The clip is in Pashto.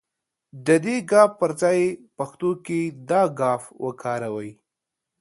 د دې ګ پر ځای پښتو کې دا گ وکاروئ.